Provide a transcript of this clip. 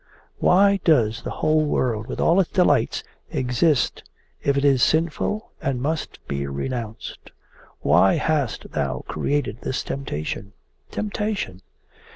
Why does the whole world, with all its delights, exist if it is sinful and must be renounced? Why hast Thou created this temptation? Temptation?